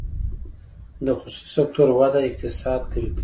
د خصوصي سکتور وده اقتصاد قوي کوي